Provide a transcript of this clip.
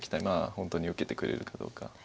まあ本当に受けてくれるかどうか。